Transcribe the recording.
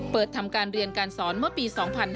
ทำการเรียนการสอนเมื่อปี๒๕๕๙